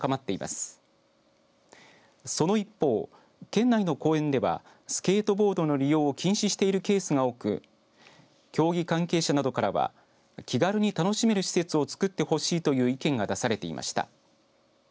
県内の公園ではスケートボードの利用を禁止しているケースが多く競技関係者などからは気軽に楽しめる施設を作ってほしいという意見が出されていました。